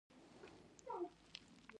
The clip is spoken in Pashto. تر څو له خپلو پلرونو نافرماني ونه کړي.